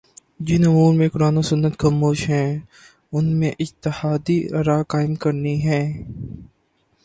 جن امور میں قرآن و سنت خاموش ہیں ان میں اجتہادی آراقائم کرنی ہیں